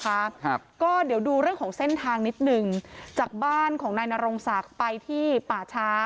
ครับก็เดี๋ยวดูเรื่องของเส้นทางนิดหนึ่งจากบ้านของนายนรงศักดิ์ไปที่ป่าช้า